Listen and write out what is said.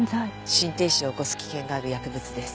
心停止を起こす危険がある薬物です。